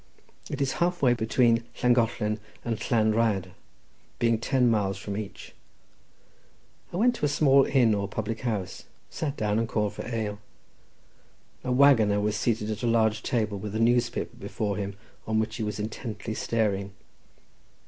It is half way between Llangollen and Llan Rhyadr, being ten miles from each. I went to a small inn, or public house, sat down, and called for ale. A waggoner was seated at a large table with a newspaper before him on which he was intently staring.